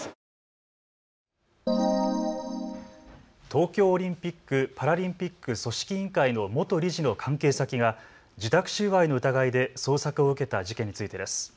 東京オリンピック・パラリンピック組織委員会の元理事の関係先が受託収賄の疑いで捜索を受けた事件についてです。